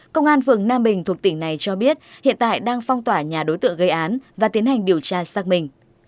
công an phường nam bình thuộc tỉnh này cho biết hiện tại đang phong tỏa nhà đối tượng gây án và tiến hành điều tra xác minh